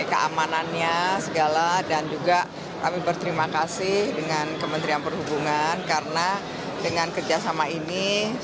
keamanannya segala dan juga kami berterima kasih dengan kementerian perhubungan karena dengan kerjasama ini